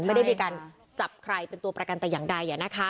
ไม่ได้มีการจับใครเป็นตัวประกันแต่อย่างใด